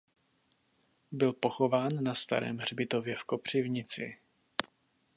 Byl pochován na starém hřbitově v Kopřivnici.